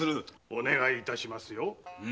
お願いいたしますよ。